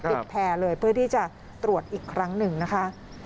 แพร่เลยเพื่อที่จะตรวจอีกครั้งหนึ่งนะคะ